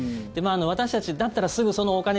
私たちだったら、すぐそのお金